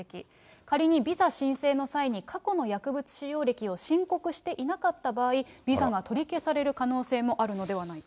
仮にビザ申請の際に過去の薬物使用歴を申告していなかった場合、ビザが取り消される可能性もあるのではないか。